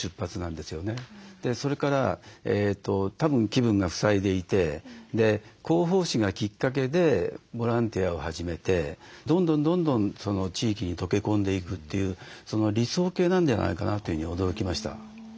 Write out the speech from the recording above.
それからたぶん気分がふさいでいて広報誌がきっかけでボランティアを始めてどんどんどんどん地域に溶け込んでいくという理想形なんではないかなというふうに驚きました。